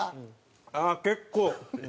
ああ結構。